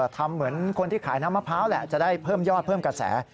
ทำเหมือนคนที่ขายน้ำมะพร้าวแหละจะได้เพิ่มยอดเพิ่มกระแส